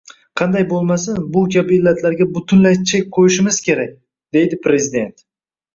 “Qanday bo‘lmasin, bu kabi illatlarga butunlay chek qo‘yishimiz kerak”, — deydi Prezident